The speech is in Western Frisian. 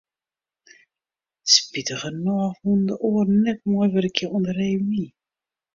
Spitigernôch woene de oaren net meiwurkje oan de reüny.